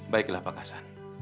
baiklah pak hasan